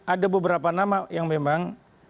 ada beberapa nama yang memang